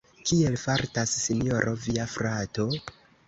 Kiel fartas Sinjoro via frato?